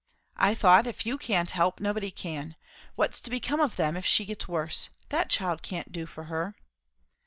"I thought, if you can't help, nobody can. What's to become of them if she gets worse? That child can't do for her."